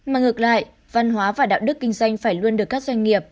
mà ngược lại văn hóa và đạo đức kinh doanh phải luôn được các doanh nghiệp